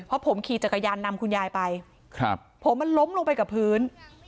เพราะผมขี่จักรยานนำคุณยายไปครับผมมันล้มลงไปกับพื้น